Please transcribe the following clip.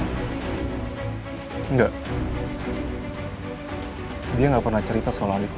tapi juga biar lebih sempurna dan mendapatkan cerita untuk mogok masalah